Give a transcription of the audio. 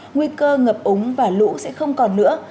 nguy cơ ngập úng và lũ sẽ không còn nữa